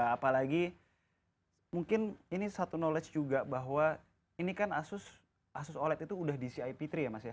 apalagi mungkin ini satu knowledge juga bahwa ini kan asus oled itu udah di cip tiga ya mas ya